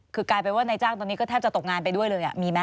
มีการไปว่านายจ้างตอนนี้ก็แทบจะตกงานไปด้วยเลยอ่ะมีมั้ย